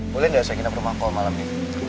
boleh nggak saya kinam rumahku malam ini